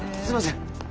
すいません！